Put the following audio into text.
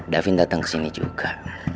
davin dateng kesini juga